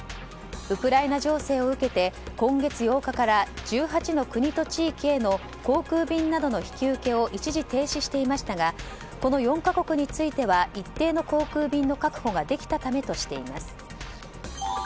ウクライナ情勢を受けて今月８日から１８の国と地域への航空便の引き受けを一時停止していましたがこの４か国については一定の航空便の確保ができたためとしています。